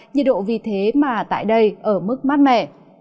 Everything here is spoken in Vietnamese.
nhiệt độ vì thế mà tại đây ở mức mát mẻ